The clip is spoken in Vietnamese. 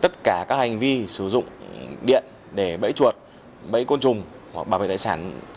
tất cả các hành vi sử dụng điện để bẫy chuột bẫy côn trùng hoặc bảo vệ tài sản